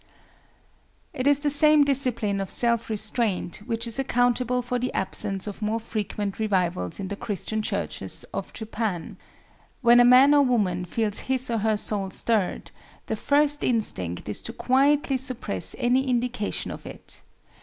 It is the same discipline of self restraint which is accountable for the absence of more frequent revivals in the Christian churches of Japan. When a man or woman feels his or her soul stirred, the first instinct is to quietly suppress any indication of it.